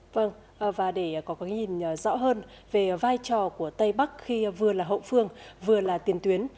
vâng và để có cái nhìn rõ hơn về vai trò của tây bắc khi vừa là hậu phương vừa là tiền tuyến